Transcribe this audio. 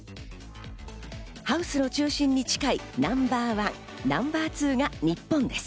ハウスの中心に近いナンバー１、ナンバー２が日本です。